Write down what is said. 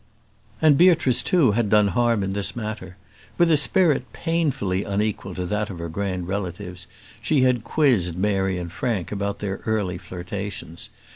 And Beatrice, too, had done harm in this matter. With a spirit painfully unequal to that of her grand relatives, she had quizzed Mary and Frank about their early flirtations.